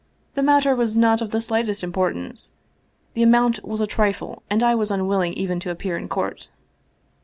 " The matter was not of the slightest importance. The amount was a trifle and I was unwilling even to appear in court